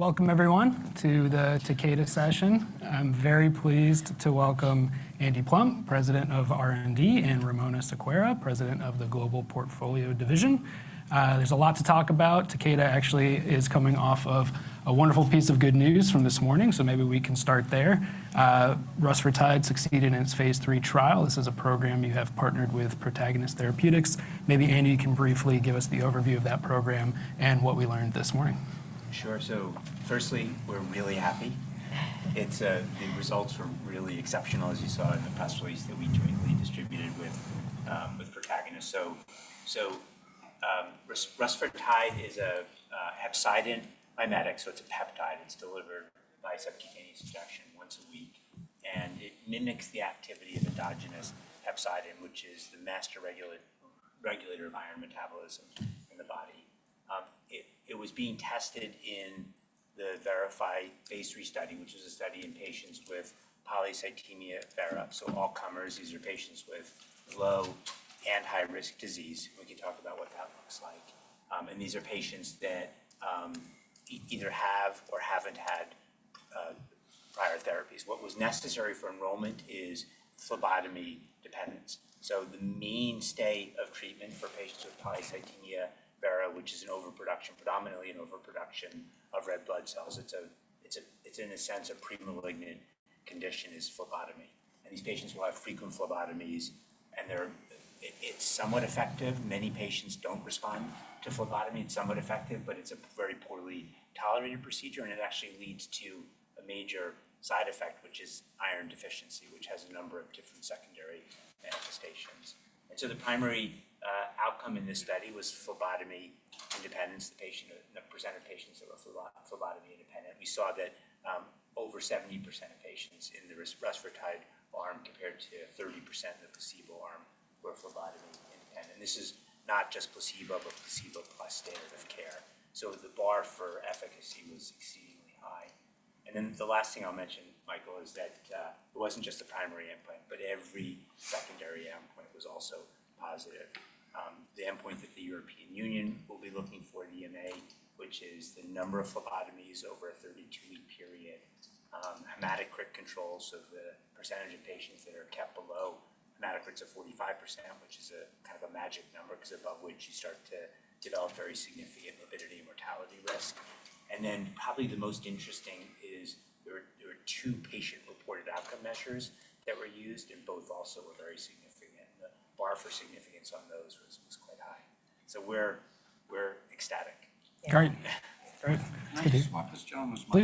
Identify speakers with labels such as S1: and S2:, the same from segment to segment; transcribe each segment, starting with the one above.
S1: Welcome, everyone, to the Takeda Session. I'm very pleased to welcome Andy Plump, President of R&D, and Ramona Sequeira, President of the Global Portfolio Division. There's a lot to talk about. Takeda actually is coming off of a wonderful piece of good news from this morning, so maybe we can start there. Rusfertide succeeded in its phase III trial. This is a program you have partnered with Protagonist Therapeutics. Maybe Andy can briefly give us the overview of that program and what we learned this morning.
S2: Sure. So firstly, we're really happy. The results were really exceptional, as you saw in the press release that we jointly distributed with Protagonist. So rusfertide is a hepcidin mimetic, so it's a peptide. It's delivered by subcutaneous injection once a week. And it mimics the activity of endogenous hepcidin, which is the master regulator of iron metabolism in the body. It was being tested in the VERIFY phase III study, which is a study in patients with polycythemia vera, so all comers. These are patients with low and high-risk disease. We can talk about what that looks like. And these are patients that either have or haven't had prior therapies. What was necessary for enrollment is phlebotomy dependence. So the main state of treatment for patients with polycythemia vera, which is predominantly an overproduction of red blood cells, it's in a sense a premalignant condition, is phlebotomy. These patients will have frequent phlebotomies. It's somewhat effective. Many patients don't respond to phlebotomy. It's somewhat effective, but it's a very poorly tolerated procedure. It actually leads to a major side effect, which is iron deficiency, which has a number of different secondary manifestations. The primary outcome in this study was phlebotomy independence. The patient presented patients that were phlebotomy independent. We saw that over 70% of patients in the rusfertide arm compared to 30% in the placebo arm were phlebotomy independent. This is not just placebo, but placebo plus standard of care. The bar for efficacy was exceedingly high. The last thing I'll mention, Michael, is that it wasn't just the primary endpoint, but every secondary endpoint was also positive. The endpoint that the European Union will be looking for, EMA, which is the number of phlebotomies over a 32-week period, hematocrit controls, so the percentage of patients that are kept below hematocrits of 45%, which is a kind of a magic number because above which you start to develop very significant morbidity and mortality risk, and then probably the most interesting is there were two patient-reported outcome measures that were used, and both also were very significant. The bar for significance on those was quite high, so we're ecstatic.
S1: Great. This gentleman's mic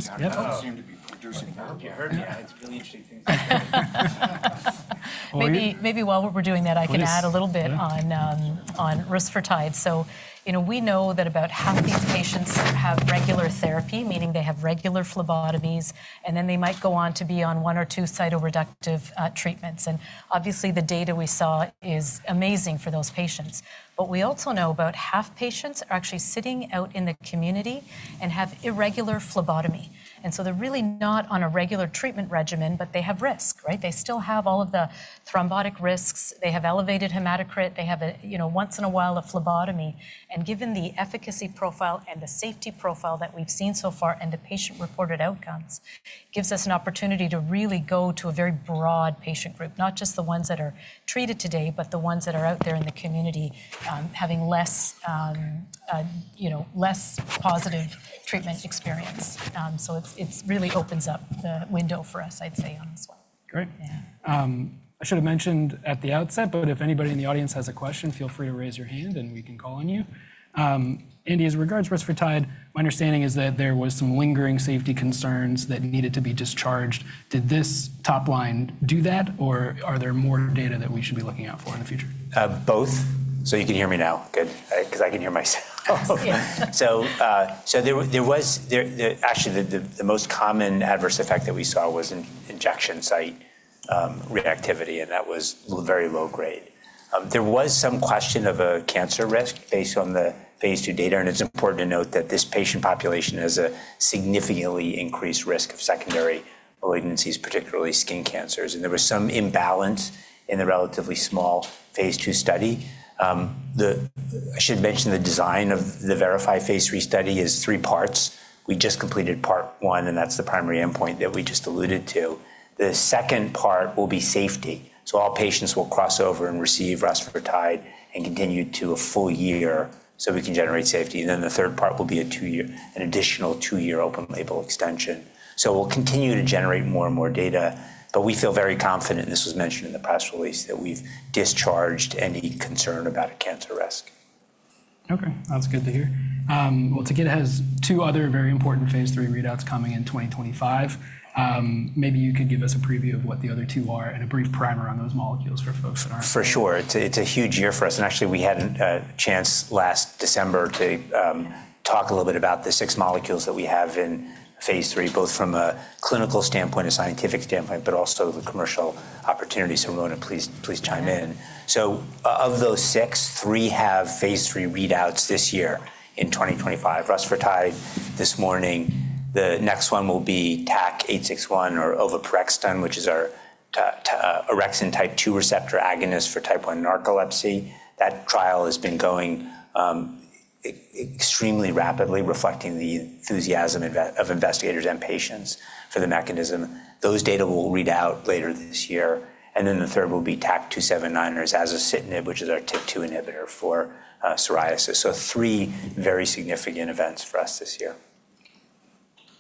S1: doesn't seem to be producing very well. You heard me. It's really interesting things happening.
S3: Maybe while we're doing that, I can add a little bit on rusfertide. So we know that about half of these patients have regular therapy, meaning they have regular phlebotomies, and then they might go on to be on one or two cytoreductive treatments. And obviously, the data we saw is amazing for those patients. But we also know about half patients are actually sitting out in the community and have irregular phlebotomy. And so they're really not on a regular treatment regimen, but they have risk, right? They still have all of the thrombotic risks. They have elevated hematocrit. They have once in a while a phlebotomy. Given the efficacy profile and the safety profile that we've seen so far and the patient-reported outcomes, it gives us an opportunity to really go to a very broad patient group, not just the ones that are treated today, but the ones that are out there in the community having less positive treatment experience. It really opens up the window for us, I'd say, on this one.
S1: Great. I should have mentioned at the outset, but if anybody in the audience has a question, feel free to raise your hand, and we can call on you. Andy, as regards rusfertide, my understanding is that there were some lingering safety concerns that needed to be discharged. Did this top line do that, or are there more data that we should be looking out for in the future?
S2: Both. So you can hear me now, good, because I can hear myself. So there was actually the most common adverse effect that we saw was injection site reactivity, and that was very low grade. There was some question of a cancer risk based on the phase II data, and it's important to note that this patient population has a significantly increased risk of secondary malignancies, particularly skin cancers, and there was some imbalance in the relatively small phase II study. I should mention the design of the VERIFY phase III study is three parts. We just completed part one, and that's the primary endpoint that we just alluded to, the second part will be safety, so all patients will cross over and receive rusfertide and continue to a full year so we can generate safety, and then the third part will be an additional two-year open label extension. So we'll continue to generate more and more data. But we feel very confident, and this was mentioned in the press release, that we've discharged any concern about a cancer risk.
S1: OK, that's good to hear. Well, Takeda has two other very important phase III readouts coming in 2025. Maybe you could give us a preview of what the other two are and a brief primer on those molecules for folks that aren't familiar.
S2: For sure. It's a huge year for us, and actually, we had a chance last December to talk a little bit about the six molecules that we have in phase III, both from a clinical standpoint, a scientific standpoint, but also the commercial opportunity, so Ramona, please chime in, so of those six, three have phase III readouts this year in 2025. Rusfertide this morning. The next one will be TAK-861 or oveporexton, which is our orexin type 2 receptor agonist for narcolepsy type 1. That trial has been going extremely rapidly, reflecting the enthusiasm of investigators and patients for the mechanism. Those data will read out later this year, and then the third will be TAK-279 or zasocitinib, which is our TYK2 inhibitor for psoriasis, so three very significant events for us this year.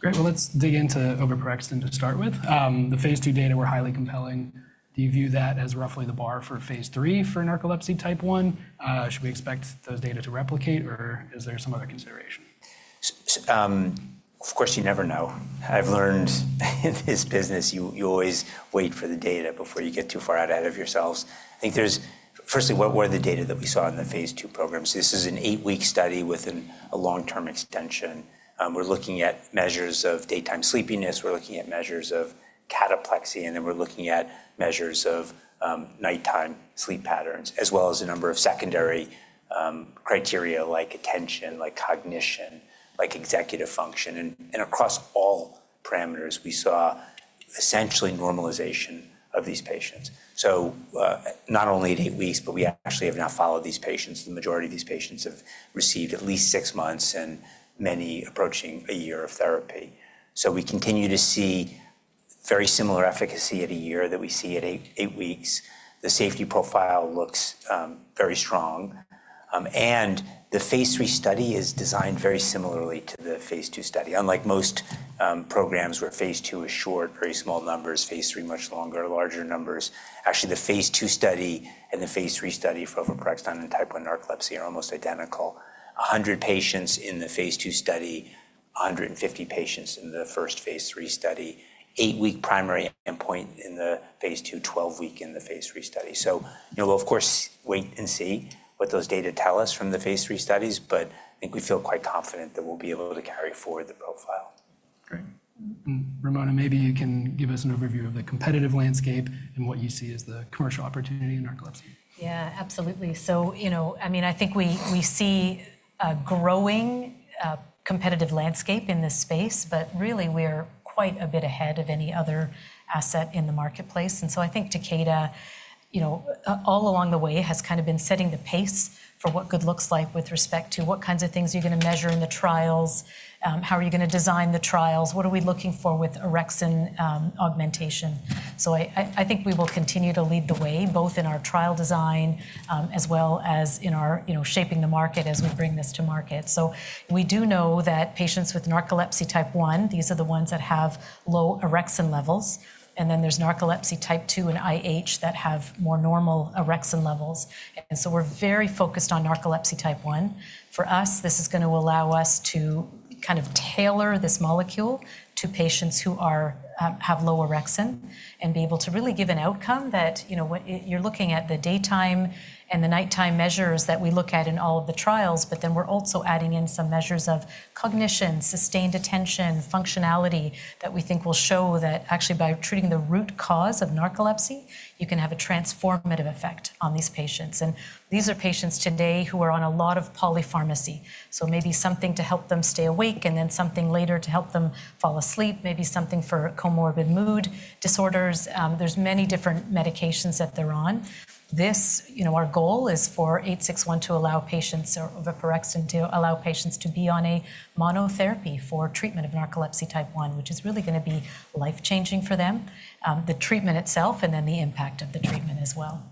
S1: Great. Well, let's dig into TAK-861 to start with. The phase II data were highly compelling. Do you view that as roughly the bar for phase III for narcolepsy type 1? Should we expect those data to replicate, or is there some other consideration?
S2: Of course, you never know. I've learned in this business, you always wait for the data before you get too far ahead of yourselves. I think there's, firstly, what were the data that we saw in the phase II program? So this is an eight-week study with a long-term extension. We're looking at measures of daytime sleepiness. We're looking at measures of cataplexy. And then we're looking at measures of nighttime sleep patterns, as well as a number of secondary criteria like attention, like cognition, like executive function. And across all parameters, we saw essentially normalization of these patients. So not only at eight weeks, but we actually have now followed these patients. The majority of these patients have received at least six months and many approaching a year of therapy. So we continue to see very similar efficacy at a year that we see at eight weeks. The safety profile looks very strong. The phase III study is designed very similarly to the phase II study. Unlike most programs where phase II is short, very small numbers, phase III much longer, larger numbers, actually the phase II study and the phase III study for TAK-861 and narcolepsy type 1 are almost identical. 100 patients in the phase II study, 150 patients in the first phase III study, eight-week primary endpoint in the phase II, 12-week in the phase III study. We'll, of course, wait and see what those data tell us from the phase III studies, but I think we feel quite confident that we'll be able to carry forward the profile.
S1: Great. Ramona, maybe you can give us an overview of the competitive landscape and what you see as the commercial opportunity in narcolepsy.
S3: Yeah, absolutely. So I mean, I think we see a growing competitive landscape in this space, but really, we are quite a bit ahead of any other asset in the marketplace. And so I think Takeda, all along the way, has kind of been setting the pace for what good looks like with respect to what kinds of things you're going to measure in the trials, how are you going to design the trials, what are we looking for with orexin augmentation. So I think we will continue to lead the way, both in our trial design as well as in our shaping the market as we bring this to market. So we do know that patients with narcolepsy type I, these are the ones that have low orexin levels. And then there's narcolepsy type II and IH that have more normal orexin levels. And so we're very focused on narcolepsy type 1. For us, this is going to allow us to kind of tailor this molecule to patients who have low orexin and be able to really give an outcome that you're looking at the daytime and the nighttime measures that we look at in all of the trials, but then we're also adding in some measures of cognition, sustained attention, functionality that we think will show that actually by treating the root cause of narcolepsy, you can have a transformative effect on these patients. And these are patients today who are on a lot of polypharmacy. So maybe something to help them stay awake and then something later to help them fall asleep, maybe something for comorbid mood disorders. There's many different medications that they're on. Our goal is for 861 to allow patients, or TAK-861 to allow patients to be on a monotherapy for treatment of narcolepsy type 1, which is really going to be life-changing for them, the treatment itself, and then the impact of the treatment as well.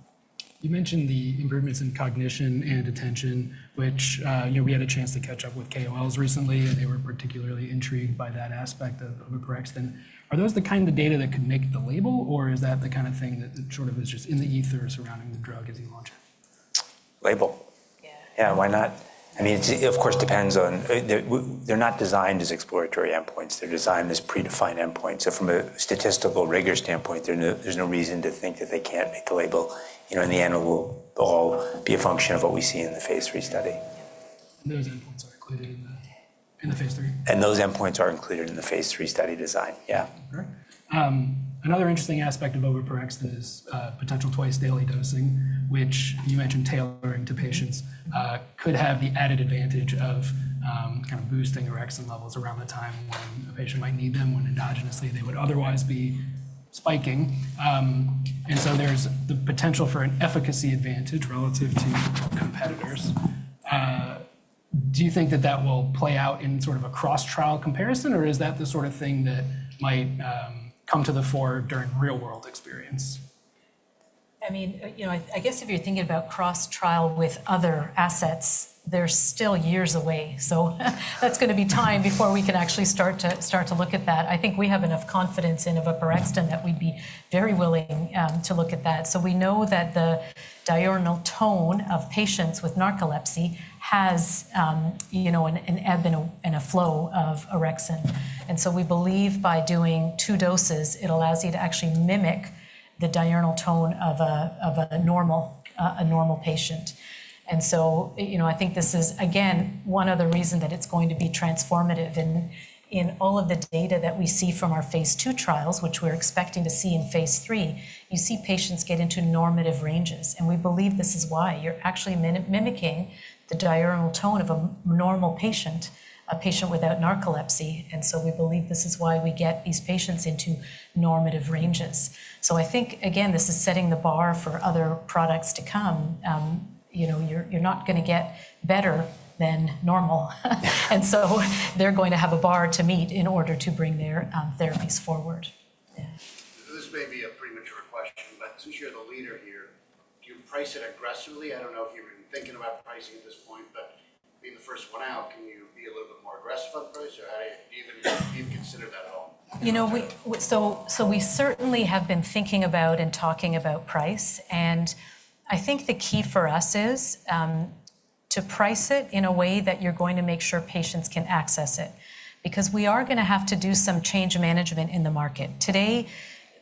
S1: You mentioned the improvements in cognition and attention, which we had a chance to catch up with KOLs recently, and they were particularly intrigued by that aspect of oveporexton. Are those the kind of data that could make the label, or is that the kind of thing that sort of is just in the ether surrounding the drug as you launch it?
S2: Label. Yeah. Yeah, why not? I mean, it of course depends on. They're not designed as exploratory endpoints. They're designed as predefined endpoints. So from a statistical rigor standpoint, there's no reason to think that they can't make the label. In the end, it will all be a function of what we see in the phase III study.
S1: Those endpoints are included in the phase III.
S2: Those endpoints are included in the phase III study design, yeah.
S1: Another interesting aspect of TAK-861 is potential twice-daily dosing, which you mentioned tailoring to patients could have the added advantage of kind of boosting orexin levels around the time when a patient might need them when endogenously they would otherwise be spiking. And so there's the potential for an efficacy advantage relative to competitors. Do you think that that will play out in sort of a cross-trial comparison, or is that the sort of thing that might come to the fore during real-world experience?
S3: I mean, I guess if you're thinking about cross-trial with other assets, they're still years away. So that's going to be time before we can actually start to look at that. I think we have enough confidence in TAK-861 that we'd be very willing to look at that. So we know that the diurnal tone of patients with narcolepsy has an ebb and a flow of orexin. And so we believe by doing two doses, it allows you to actually mimic the diurnal tone of a normal patient. And so I think this is, again, one other reason that it's going to be transformative in all of the data that we see from our phase II trials, which we're expecting to see in phase III. You see patients get into normative ranges. And we believe this is why. You're actually mimicking the diurnal tone of a normal patient, a patient without narcolepsy. And so we believe this is why we get these patients into normative ranges. So I think, again, this is setting the bar for other products to come. You're not going to get better than normal. And so they're going to have a bar to meet in order to bring their therapies forward. Yeah. This may be a premature question, but since you're the leader here, do you price it aggressively? I don't know if you're even thinking about pricing at this point, but being the first one out, can you be a little bit more aggressive on price? Or do you even consider that at all? So we certainly have been thinking about and talking about price. And I think the key for us is to price it in a way that you're going to make sure patients can access it, because we are going to have to do some change management in the market.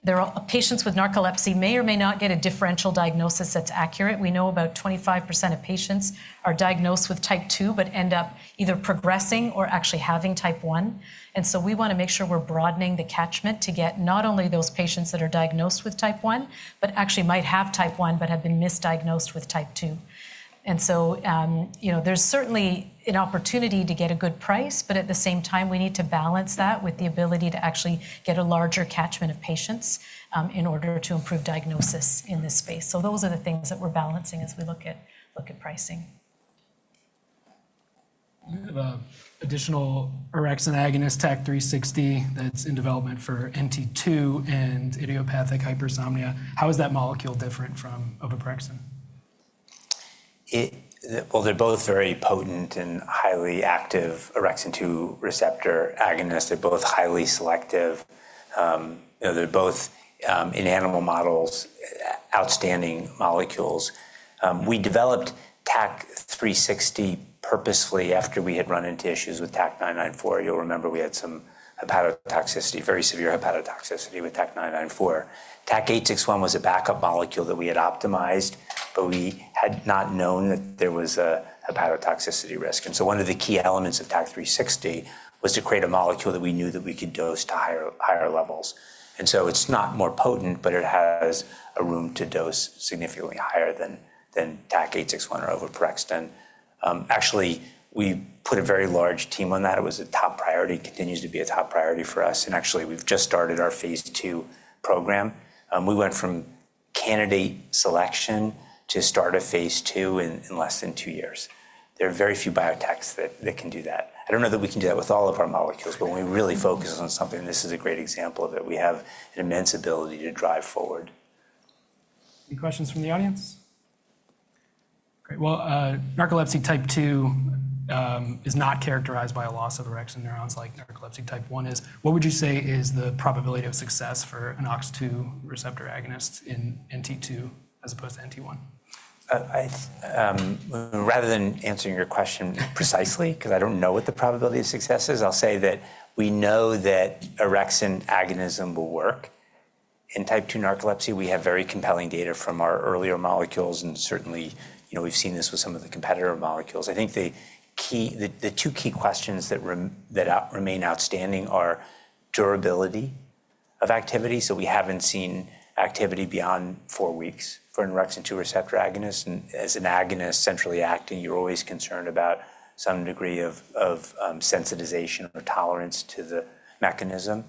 S3: Today, patients with narcolepsy may or may not get a differential diagnosis that's accurate. We know about 25% of patients are diagnosed with type II but end up either progressing or actually having type I. And so we want to make sure we're broadening the catchment to get not only those patients that are diagnosed with type I, but actually might have type I but have been misdiagnosed with type II. And so there's certainly an opportunity to get a good price, but at the same time, we need to balance that with the ability to actually get a larger catchment of patients in order to improve diagnosis in this space. So those are the things that we're balancing as we look at pricing.
S1: We have an additional orexin agonist, TAK-360, that's in development for NT2 and idiopathic hypersomnia. How is that molecule different from oveporexton?
S2: They're both very potent and highly active orexin II receptor agonists. They're both highly selective. They're both, in animal models, outstanding molecules. We developed TAK-360 purposefully after we had run into issues with TAK-994. You'll remember we had some hepatotoxicity, very severe hepatotoxicity with TAK-994. TAK-861 was a backup molecule that we had optimized, but we had not known that there was a hepatotoxicity risk. And so one of the key elements of TAK-360 was to create a molecule that we knew that we could dose to higher levels. And so it's not more potent, but it has a room to dose significantly higher than TAK-861. Actually, we put a very large team on that. It was a top priority and continues to be a top priority for us. And actually, we've just started our phase II program. We went from candidate selection to start a phase II in less than two years. There are very few biotechs that can do that. I don't know that we can do that with all of our molecules, but when we really focus on something, this is a great example of it. We have an immense ability to drive forward.
S1: Any questions from the audience? Great. Well, narcolepsy type II is not characterized by a loss of orexin neurons like narcolepsy type I is. What would you say is the probability of success for an OX2 receptor agonist in NT2 as opposed to NT1?
S2: Rather than answering your question precisely, because I don't know what the probability of success is, I'll say that we know that orexin agonism will work. In type II narcolepsy, we have very compelling data from our earlier molecules. And certainly, we've seen this with some of the competitor molecules. I think the two key questions that remain outstanding are durability of activity. So we haven't seen activity beyond four weeks for an orexin II receptor agonist. And as an agonist centrally acting, you're always concerned about some degree of sensitization or tolerance to the mechanism.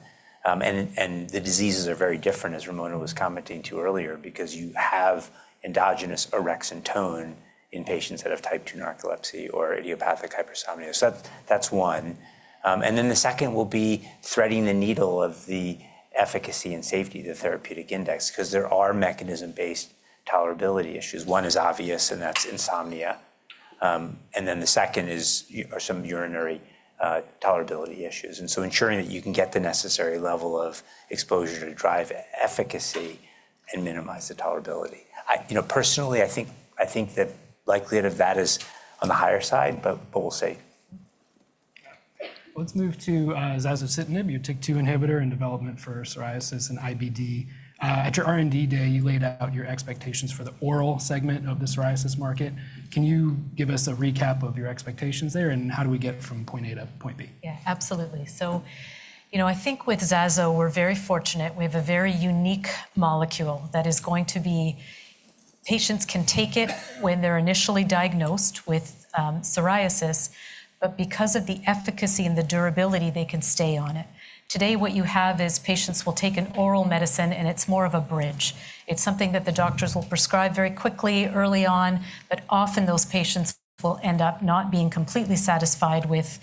S2: And the diseases are very different, as Ramona was commenting to earlier, because you have endogenous orexin tone in patients that have type II narcolepsy or idiopathic hypersomnia. So that's one. And then the second will be threading the needle of the efficacy and safety of the therapeutic index, because there are mechanism-based tolerability issues. One is obvious, and that's insomnia. And then the second is some urinary tolerability issues. And so ensuring that you can get the necessary level of exposure to drive efficacy and minimize the tolerability. Personally, I think the likelihood of that is on the higher side, but we'll see.
S1: Let's move to zasocitinib. You're a TYK2 inhibitor in development for psoriasis and IBD. At your R&D day, you laid out your expectations for the oral segment of the psoriasis market. Can you give us a recap of your expectations there, and how do we get from point A to point B?
S3: Yeah, absolutely. So I think with zasocitinib, we're very fortunate. We have a very unique molecule that is going to be patients can take it when they're initially diagnosed with psoriasis, but because of the efficacy and the durability, they can stay on it. Today, what you have is patients will take an oral medicine, and it's more of a bridge. It's something that the doctors will prescribe very quickly early on, but often those patients will end up not being completely satisfied with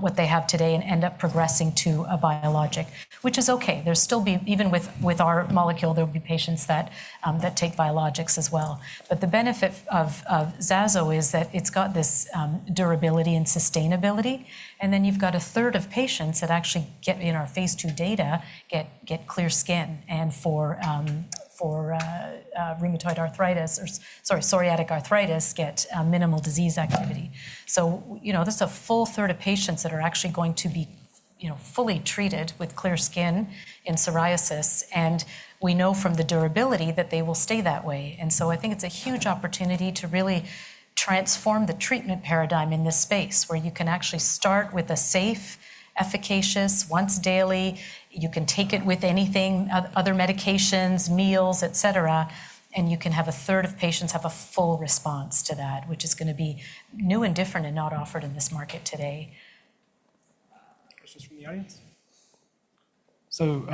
S3: what they have today and end up progressing to a biologic, which is OK. There'll still be, even with our molecule, there'll be patients that take biologics as well. But the benefit of zasocitinib is that it's got this durability and sustainability. And then you've got a third of patients that actually get in our phase II data, get clear skin. And for rheumatoid arthritis, sorry, psoriatic arthritis, get minimal disease activity. So that's a full third of patients that are actually going to be fully treated with clear skin in psoriasis. And we know from the durability that they will stay that way. And so I think it's a huge opportunity to really transform the treatment paradigm in this space, where you can actually start with a safe, efficacious, once daily. You can take it with anything, other medications, meals, et cetera. And you can have a third of patients have a full response to that, which is going to be new and different and not offered in this market today.
S1: Questions from the audience? So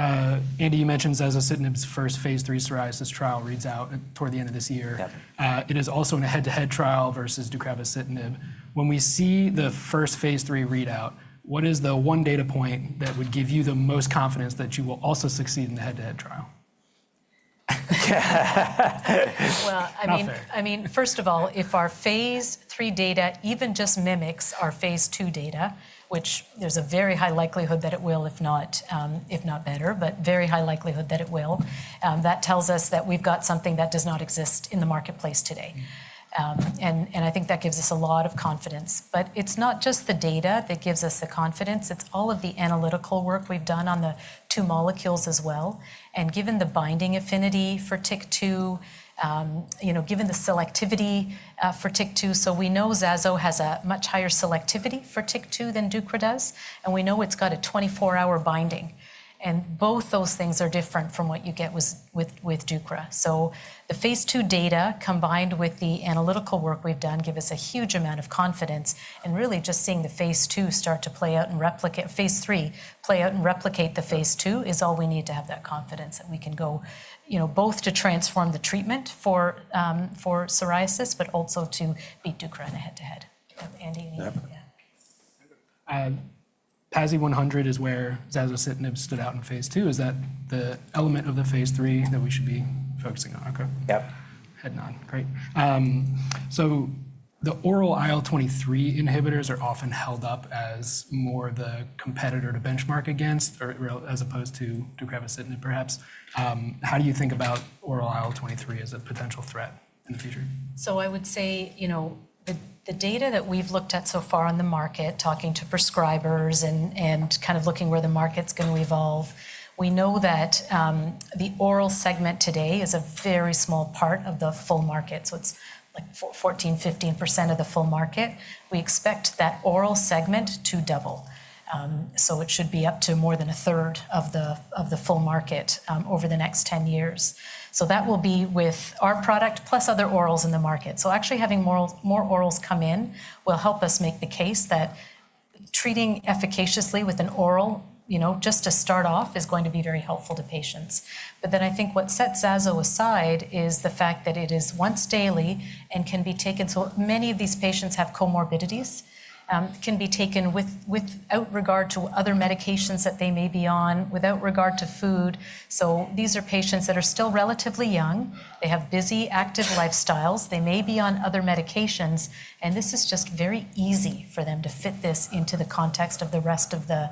S1: Andy, you mentioned zasocitinib's first phase III psoriasis trial reads out toward the end of this year. It is also a head-to-head trial versus deucravacitinib. When we see the first phase III readout, what is the one data point that would give you the most confidence that you will also succeed in the head-to-head trial?
S3: I mean, first of all, if our phase III data even just mimics our phase II data, which there's a very high likelihood that it will, if not better, but very high likelihood that it will, that tells us that we've got something that does not exist in the marketplace today. And I think that gives us a lot of confidence. But it's not just the data that gives us the confidence. It's all of the analytical work we've done on the two molecules as well. And given the binding affinity for TYK2, given the selectivity for TYK2, so we know zasocitinib has a much higher selectivity for TYK2 than deucravacitinib does. And we know it's got a 24-hour binding. And both those things are different from what you get with deucravacitinib. So the phase II data combined with the analytical work we've done give us a huge amount of confidence. And really, just seeing the phase II start to play out and replicate phase III, play out and replicate the phase II is all we need to have that confidence that we can go both to transform the treatment for psoriasis, but also to beat deucravacitinib in a head-to-head. Andy, anything?
S1: Yeah. PASI 100 is where zasocitinib stood out in phase II. Is that the element of the phase III that we should be focusing on?
S2: Yep.
S1: Head nod. Great. So the oral IL-23 inhibitors are often held up as more the competitor to benchmark against, as opposed to deucravacitinib, perhaps. How do you think about oral IL-23 as a potential threat in the future?
S3: So I would say the data that we've looked at so far on the market, talking to prescribers and kind of looking where the market's going to evolve, we know that the oral segment today is a very small part of the full market. So it's like 14%, 15% of the full market. We expect that oral segment to double. So it should be up to more than a third of the full market over the next 10 years. So that will be with our product plus other orals in the market. So actually having more orals come in will help us make the case that treating efficaciously with an oral just to start off is going to be very helpful to patients. But then I think what sets zasocitinib aside is the fact that it is once daily and can be taken. So many of these patients have comorbidities, can be taken without regard to other medications that they may be on, without regard to food. So these are patients that are still relatively young. They have busy, active lifestyles. They may be on other medications. And this is just very easy for them to fit this into the context of the rest of the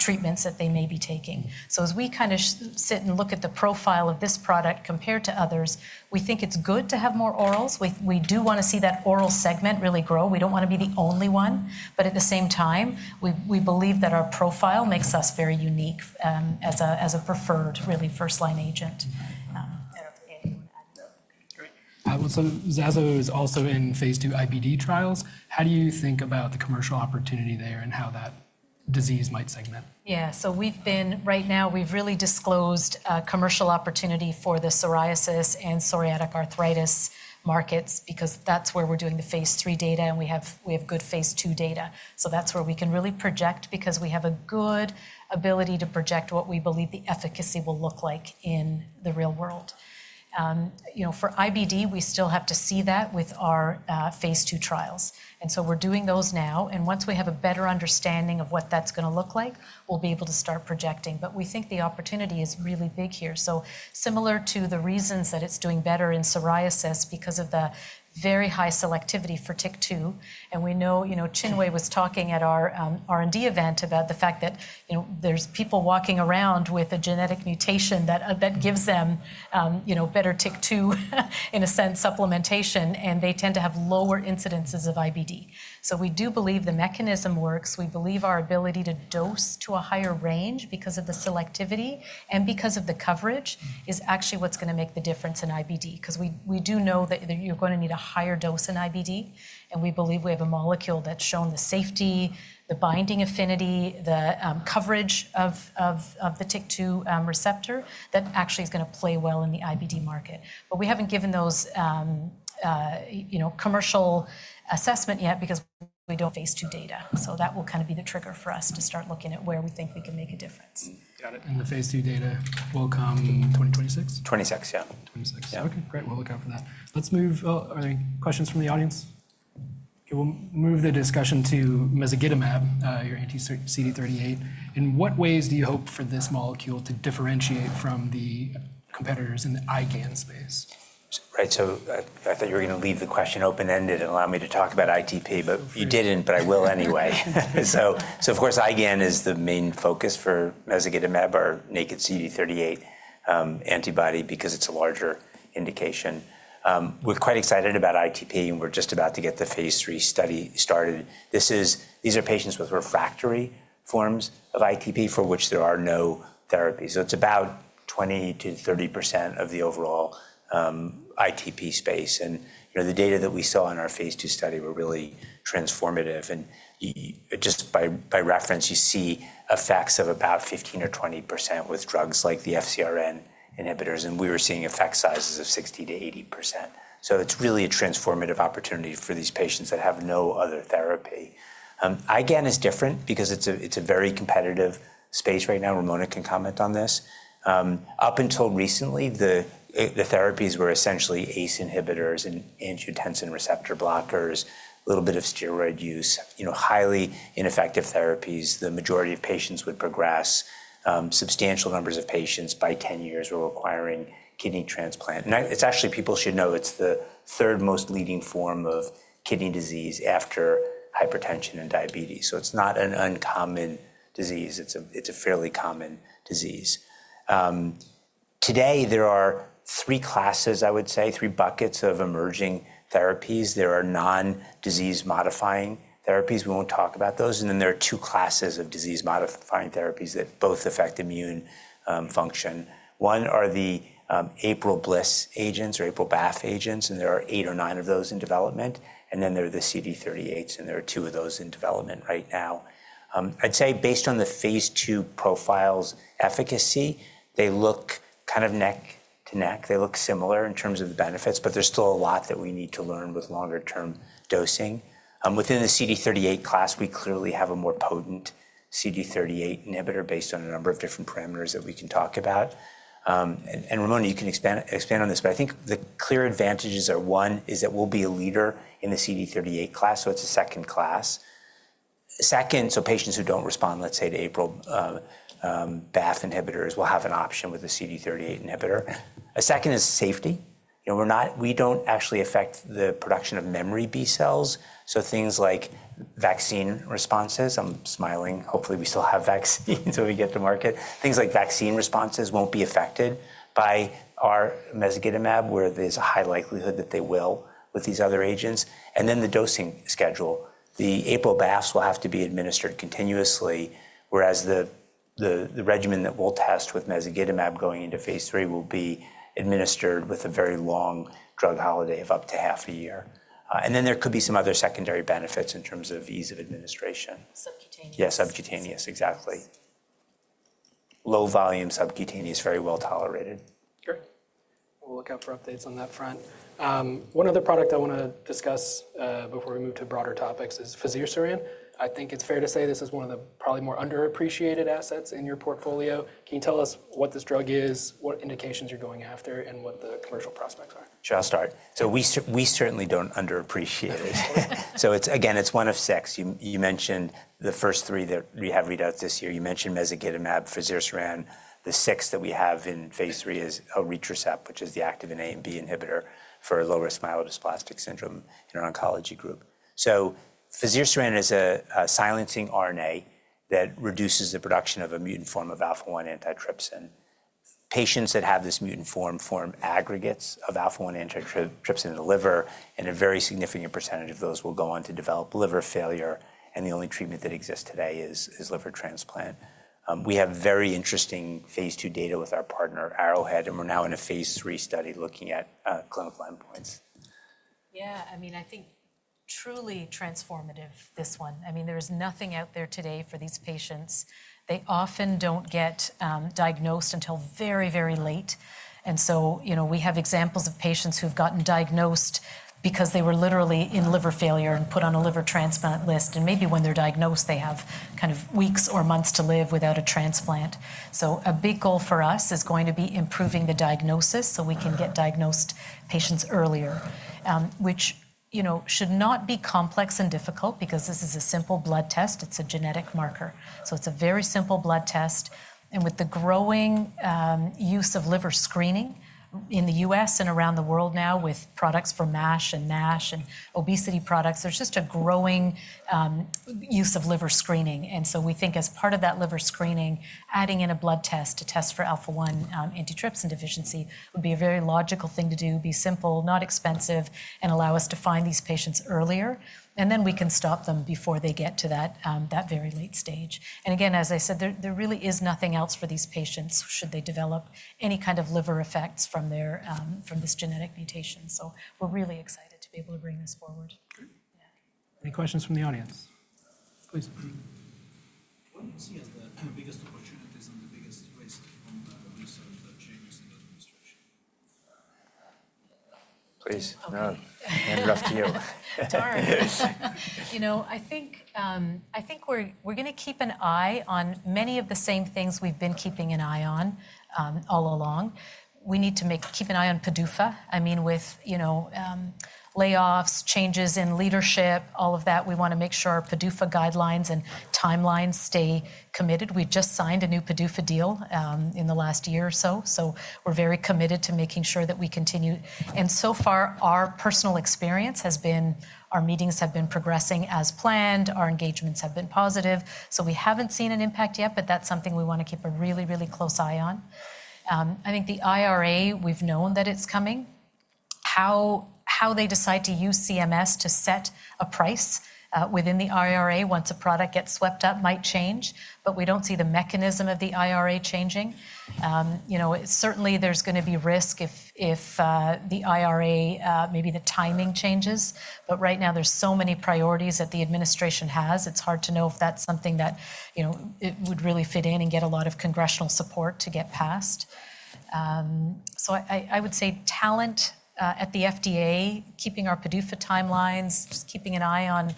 S3: treatments that they may be taking. So as we kind of sit and look at the profile of this product compared to others, we think it's good to have more orals. We do want to see that oral segment really grow. We don't want to be the only one. But at the same time, we believe that our profile makes us very unique as a preferred, really, first-line agent. I don't see anyone adding up.
S1: Great. zasocitinib is also in phase II IBD trials. How do you think about the commercial opportunity there and how that disease might segment?
S3: Yeah. So right now, we've really disclosed a commercial opportunity for the psoriasis and psoriatic arthritis markets, because that's where we're doing the phase III data. And we have good phase II data. So that's where we can really project, because we have a good ability to project what we believe the efficacy will look like in the real world. For IBD, we still have to see that with our phase II trials. And so we're doing those now. And once we have a better understanding of what that's going to look like, we'll be able to start projecting. But we think the opportunity is really big here. So similar to the reasons that it's doing better in psoriasis because of the very high selectivity for TYK2. And we know Chinwe was talking at our R&D event about the fact that there's people walking around with a genetic mutation that gives them better TYK2, in a sense, supplementation. And they tend to have lower incidences of IBD. So we do believe the mechanism works. We believe our ability to dose to a higher range because of the selectivity and because of the coverage is actually what's going to make the difference in IBD, because we do know that you're going to need a higher dose in IBD. And we believe we have a molecule that's shown the safety, the binding affinity, the coverage of the TYK2 receptor that actually is going to play well in the IBD market. But we haven't given those commercial assessment yet, because we don't have phase II data. So that will kind of be the trigger for us to start looking at where we think we can make a difference.
S1: Got it. And the phase II data will come in 2026?
S2: 26, yeah.
S1: Okay. Great. We'll look out for that. Let's move. Are there any questions from the audience? We'll move the discussion to mezagitamab, your anti-CD38. In what ways do you hope for this molecule to differentiate from the competitors in the IgAN space?
S2: Right. So I thought you were going to leave the question open-ended and allow me to talk about ITP, but you didn't. But I will anyway. So of course, IgAN is the main focus for mezagitamab, our naked CD38 antibody, because it's a larger indication. We're quite excited about ITP. And we're just about to get the phase III study started. These are patients with refractory forms of ITP for which there are no therapies. So it's about 20%-30% of the overall ITP space. And the data that we saw in our phase II study were really transformative. And just by reference, you see effects of about 15% or 20% with drugs like the FcRn inhibitors. And we were seeing effect sizes of 60%-80%. So it's really a transformative opportunity for these patients that have no other therapy. IgAN is different because it's a very competitive space right now. Ramona can comment on this. Up until recently, the therapies were essentially ACE inhibitors and angiotensin receptor blockers, a little bit of steroid use, highly ineffective therapies. The majority of patients would progress. Substantial numbers of patients by 10 years were requiring kidney transplant, and actually, people should know it's the third most leading form of kidney disease after hypertension and diabetes, so it's not an uncommon disease. It's a fairly common disease. Today, there are three classes, I would say, three buckets of emerging therapies. There are non-disease modifying therapies. We won't talk about those, and then there are two classes of disease modifying therapies that both affect immune function. One are the APRIL/BLyS agents, and there are eight or nine of those in development, and then there are the CD38s. There are two of those in development right now. I'd say based on the phase II profile's efficacy, they look kind of neck to neck. They look similar in terms of the benefits. There's still a lot that we need to learn with longer-term dosing. Within the CD38 class, we clearly have a more potent CD38 inhibitor based on a number of different parameters that we can talk about. Ramona, you can expand on this. I think the clear advantages are one is that we'll be a leader in the CD38 class. It's a second class. Second, patients who don't respond, let's say, to APRIL/BLyS inhibitors will have an option with a CD38 inhibitor. A second is safety. We don't actually affect the production of memory B cells. Things like vaccine responses, I'm smiling. Hopefully, we still have vaccines when we get to market. Things like vaccine responses won't be affected by our mezagitamab, where there's a high likelihood that they will with these other agents. And then the dosing schedule, the APRIL/BLyS will have to be administered continuously, whereas the regimen that we'll test with mezagitamab going into phase III will be administered with a very long drug holiday of up to half a year. And then there could be some other secondary benefits in terms of ease of administration. Yeah, subcutaneous, exactly. Low volume subcutaneous, very well tolerated.
S1: Great. We'll look out for updates on that front. One other product I want to discuss before we move to broader topics is fazirsiran. I think it's fair to say this is one of the probably more underappreciated assets in your portfolio. Can you tell us what this drug is, what indications you're going after, and what the commercial prospects are?
S2: Sure. I'll start. So we certainly don't underappreciate it. So again, it's one of six. You mentioned the first three that we have readouts this year. You mentioned mezagitamab, fazirsiran. The sixth that we have in phase III is luspatercept, which is the activin A and B inhibitor for low-risk myelodysplastic syndromes in our oncology group. So fazirsiran is a silencing RNA that reduces the production of a mutant form of alpha-1 antitrypsin. Patients that have this mutant form form aggregates of alpha-1 antitrypsin in the liver. And a very significant percentage of those will go on to develop liver failure. And the only treatment that exists today is liver transplant. We have very interesting phase II data with our partner, Arrowhead. And we're now in a phase III study looking at clinical endpoints.
S3: Yeah. I mean, I think truly transformative, this one. I mean, there is nothing out there today for these patients. They often don't get diagnosed until very, very late. And so we have examples of patients who have gotten diagnosed because they were literally in liver failure and put on a liver transplant list. And maybe when they're diagnosed, they have kind of weeks or months to live without a transplant. So a big goal for us is going to be improving the diagnosis so we can get diagnosed patients earlier, which should not be complex and difficult, because this is a simple blood test. It's a genetic marker. So it's a very simple blood test. And with the growing use of liver screening in the U.S. and around the world now with products for MASH and NASH and obesity products, there's just a growing use of liver screening. And so we think as part of that liver screening, adding in a blood test to test for alpha-1 antitrypsin deficiency would be a very logical thing to do, be simple, not expensive, and allow us to find these patients earlier. And then we can stop them before they get to that very late stage. And again, as I said, there really is nothing else for these patients should they develop any kind of liver effects from this genetic mutation. So we're really excited to be able to bring this forward.
S1: Great. Any questions from the audience? Please. What do you see as the biggest opportunities and the biggest risks from the research that changes in administration?
S2: Please. Hands off to you.
S3: I think we're going to keep an eye on many of the same things we've been keeping an eye on all along. We need to keep an eye on PDUFA. I mean, with layoffs, changes in leadership, all of that, we want to make sure our PDUFA guidelines and timelines stay committed. We just signed a new PDUFA deal in the last year or so. So we're very committed to making sure that we continue, and so far, our personal experience has been our meetings have been progressing as planned. Our engagements have been positive, so we haven't seen an impact yet, but that's something we want to keep a really, really close eye on. I think the IRA, we've known that it's coming. How they decide to use CMS to set a price within the IRA once a product gets swept up might change. But we don't see the mechanism of the IRA changing. Certainly, there's going to be risk if the IRA, maybe the timing changes. But right now, there's so many priorities that the administration has. It's hard to know if that's something that would really fit in and get a lot of congressional support to get passed. So I would say talent at the FDA, keeping our PDUFA timelines, just keeping an eye on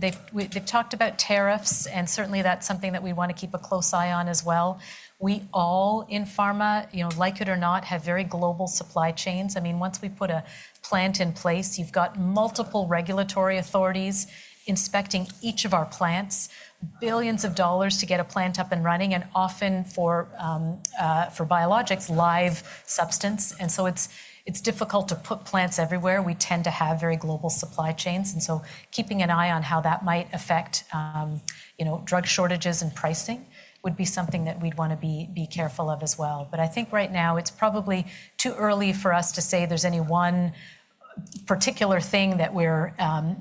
S3: they've talked about tariffs. And certainly, that's something that we want to keep a close eye on as well. We all in pharma, like it or not, have very global supply chains. I mean, once we put a plant in place, you've got multiple regulatory authorities inspecting each of our plants, billions of dollars to get a plant up and running, and often for biologics, live substance. And so it's difficult to put plants everywhere. We tend to have very global supply chains, and so keeping an eye on how that might affect drug shortages and pricing would be something that we'd want to be careful of as well, but I think right now, it's probably too early for us to say there's any one particular thing that we're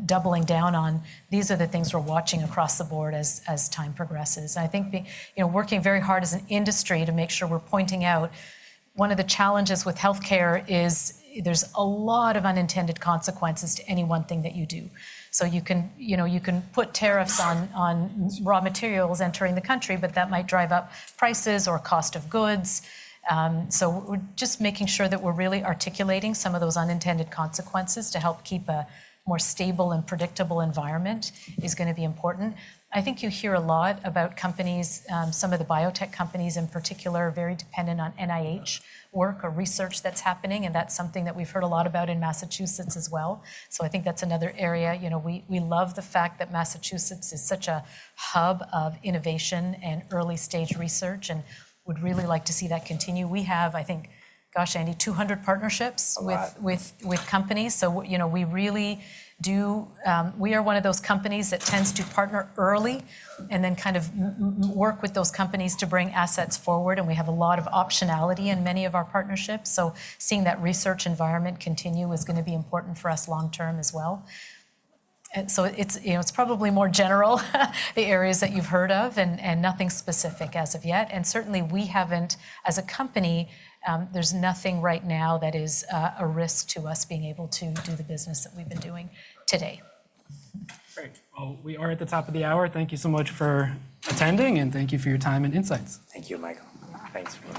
S3: doubling down on. These are the things we're watching across the board as time progresses, and I think working very hard as an industry to make sure we're pointing out one of the challenges with health care is there's a lot of unintended consequences to any one thing that you do, so you can put tariffs on raw materials entering the country, but that might drive up prices or cost of goods. So just making sure that we're really articulating some of those unintended consequences to help keep a more stable and predictable environment is going to be important. I think you hear a lot about companies. Some of the biotech companies, in particular, are very dependent on NIH work or research that's happening. And that's something that we've heard a lot about in Massachusetts as well. So I think that's another area. We love the fact that Massachusetts is such a hub of innovation and early-stage research and would really like to see that continue. We have, I think, gosh, Andy, 200 partnerships with companies. So we really do. We are one of those companies that tends to partner early and then kind of work with those companies to bring assets forward. And we have a lot of optionality in many of our partnerships. So seeing that research environment continue is going to be important for us long-term as well. So it's probably more general the areas that you've heard of and nothing specific as of yet. And certainly, we haven't as a company, there's nothing right now that is a risk to us being able to do the business that we've been doing today.
S1: Great. Well, we are at the top of the hour. Thank you so much for attending and thank you for your time and insights.
S2: Thank you, Michael. Thanks.